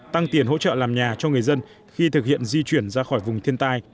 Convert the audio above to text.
tăng tiền hỗ trợ làm nhà cho người dân khi thực hiện di chuyển ra khỏi vùng thiên tai